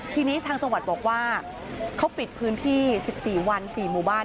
ทีนี้ทางจังหวัดบอกว่าเขาปิดพื้นที่๑๔วัน๔หมู่บ้าน